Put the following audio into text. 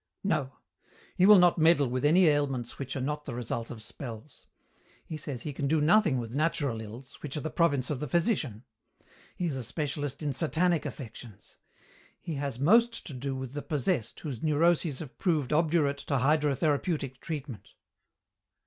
"No. He will not meddle with any ailments which are not the result of spells. He says he can do nothing with natural ills, which are the province of the physician. He is a specialist in Satanic affections. He has most to do with the possessed whose neuroses have proved obdurate to hydrotherapeutic treatment."